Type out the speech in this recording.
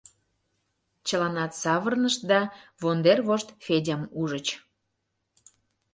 Чыланат савырнышт да вондер вошт Федям ужыч.